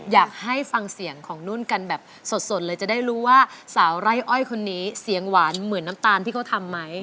อยากให้ฟังเสียงของนุ่นกันแบบสดเลยจะได้รู้ว่าสาวไร่อ้อยคนนี้เสียงหวานเหมือนน้ำตาลที่เขาทำไหม